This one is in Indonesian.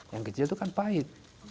yang kecil itu kan pahit